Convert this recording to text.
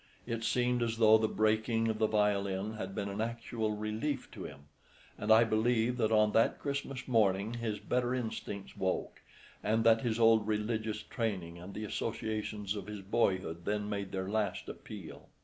It seemed as though the breaking of the violin had been an actual relief to him; and I believe that on that Christmas morning his better instincts woke, and that his old religious training and the associations of his boyhood then made their last appeal.